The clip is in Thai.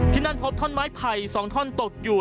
ที่นั่นพบท่อนไม้ไผ่๒ท่อนตกอยู่